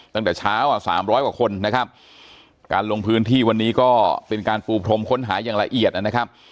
ตั้งแต่เช้าอ่ะสามร้อยกว่าคนนะครับการลงพื้นที่วันนี้ก็เป็นการปูพรมค้นหาอย่างละเอียดนะครับ